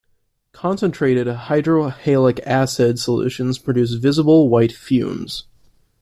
Concentrated hydrohalic acid solutions produce visible white fumes.